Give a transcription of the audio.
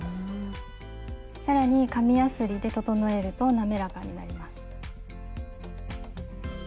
更に紙やすりで整えると滑らかになります。